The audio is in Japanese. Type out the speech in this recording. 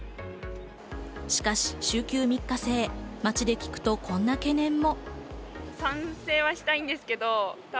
しかし週休３日制、街で聞くとこんな懸念も。